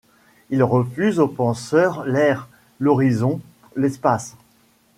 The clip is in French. Il refuse aux penseurs l'air, l'horizon, l'espace